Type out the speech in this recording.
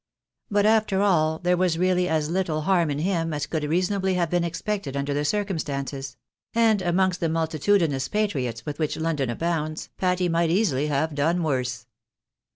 But after all, there was really as little harm in him as could reasonably have been expected under the circumstances ; and amongst the multitudinous patriots with which London abounds, Patty might easily have done worse.